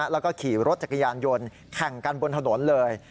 แล้วก็ขี่รถจักรยานยนต์แข่งกันบนถนนเลย